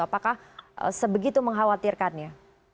apakah sebegitu mengkhawatirkannya